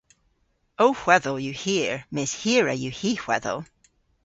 Ow hwedhel yw hir mes hirra yw hy hwedhel.